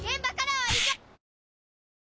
はい！